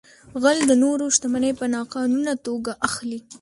غل د نورو شتمنۍ په ناقانونه توګه اخلي